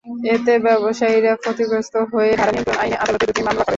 এতে ব্যবসায়ীরা ক্ষতিগ্রস্ত হয়ে ভাড়া নিয়ন্ত্রণ আইনে আদালতে দুটি মামলা করেন।